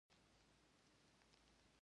که له واقعي لامل پرته پرېږدي.